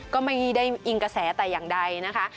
ก็ไม่ได้อิงกระแสแต่อย่างใดนะคะ